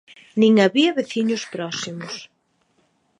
Nin había veciños próximos.